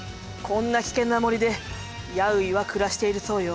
こんな危険な森でヤウイは暮らしているそうよ。